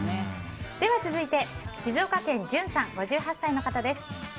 続いて静岡県の５８歳の方です。